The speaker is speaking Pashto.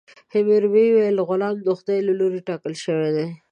حموربي ویل غلامي د خدای له لورې ټاکل شوې.